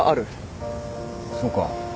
そうか。